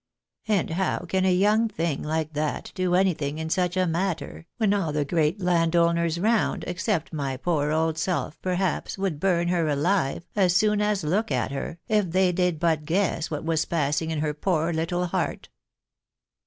And how can a young thing like that do anything in such a matter, when all the great landholders round, except my poor old self, perhaps, would burn her alive, as soon as look at her, if they did but guess what was passing in her poor little heart."